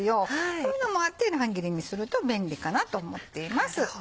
そういうのもあって乱切りにすると便利かなと思っています。